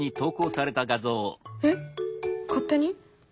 えっ勝手に？